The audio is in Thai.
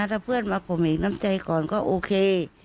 ถ้าเพื่อนมาข่มเหงน้ำใจก่อนก็โอเค